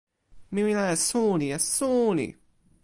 mi wile e suli e suli.